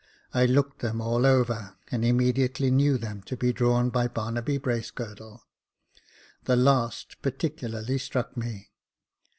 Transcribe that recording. I looked them all over, and immediately knew them to be drawn by Barnaby Bracegirdle. The last particularly struck me.